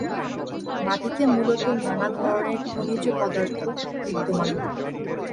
মাটিতে মূলত নানা ধরনের খনিজ পদার্থ বিদ্যমান।